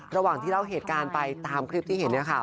ระหว่างที่เล่าเหตุการณ์ไปตามคลิปที่เห็นเนี่ยค่ะ